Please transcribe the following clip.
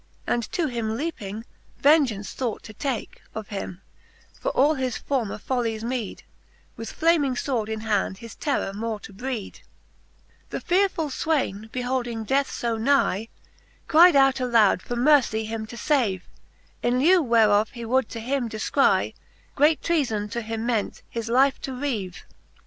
And to him leaping, vengeance thought to take Of him, for all his former follies meed, With flaming fword in hand his terror more to breed. XII. The 3^4 7J5^ f^^the Booh of Canto VII. XII. The fearefuU fwayne, beholding death fo nie, Cryde out aloud for mercie him to fave ; In lieu whereof, he would to him dcfcrie Great treafon to him meant, his life to reave.